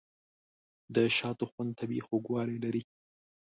د شاتو خوند طبیعي خوږوالی لري.